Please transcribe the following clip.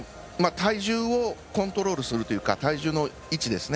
体重をコントロールするというか体重の位置ですね。